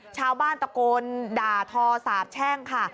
ชาวบ้านตะโกนด่าทอสาบแช่งค่ะ